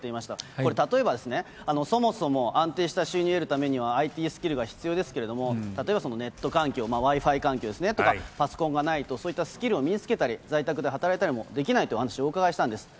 これ、例えばですね、そもそも安定した収入を得るためには、ＩＴスキルが必要ですけれども、例えばそのネット環境、Ｗｉ−Ｆｉ環境ですね、パソコンがないと、そういったスキルを身につけたり、在宅で働いたりもできないというお話、お伺いしたんです。